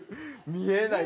見えない。